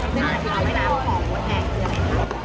ที่เราให้นานของมดแดงคืออะไรครับ